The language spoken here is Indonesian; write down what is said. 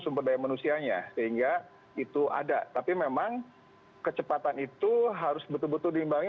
sumber daya manusianya sehingga itu ada tapi memang kecepatan itu harus betul betul diimbangi